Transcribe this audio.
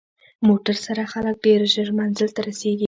موټر سره خلک ډېر ژر منزل ته رسېږي.